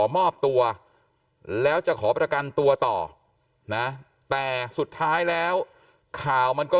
มอบตัวแล้วจะขอประกันตัวต่อนะแต่สุดท้ายแล้วข่าวมันก็